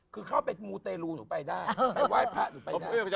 คือเข้าไปมูเตรลูหนูไปได้ไปไหว้พระหนูไปได้